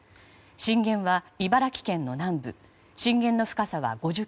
震源は茨城県の南部震源の深さは５０ｋｍ。